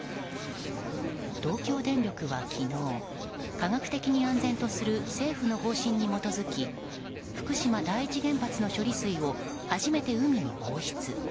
東京電力は昨日科学的に安全とする政府の方針に基づき福島第一原発の処理水を初めて海に放出。